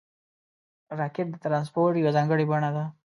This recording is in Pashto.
راکټ د ترانسپورټ یوه ځانګړې بڼه ده